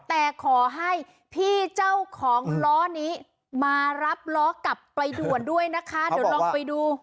แต่ขอให้พี่เจ้าของล้อนี้มารับล้อกลับไปด่วนด้วยนะคะเดี๋ยวลองไปดู